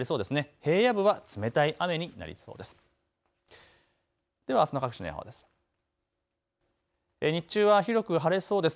平野部は冷たい雨になりそうです。